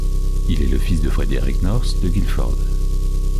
Il est le fils de Frederick North, de Guilford.